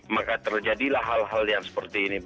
maka terjadilah hal hal yang seperti ini